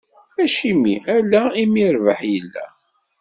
Acimi ala imi rrbeḥ illa?